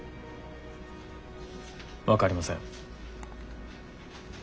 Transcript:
分かりません。